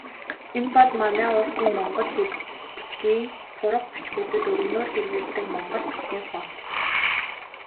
Энэ бол манай улсын монгол хэл, бичгийн сурах бичгүүдэд өргөнөөр хэрэглэдэг монгол бичгийн фонт.